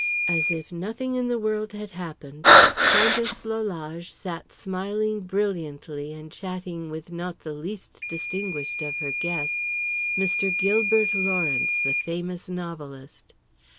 As if nothing in the world had happened Countess Lalage sat smiling brilliantly and chatting with not the least distinguished of her guests, Mr. Gilbert Lawrence, the famous novelist.